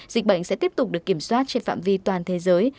dịch bệnh sẽ tiếp tục được kiểm soát trên phạm vi toàn thế giới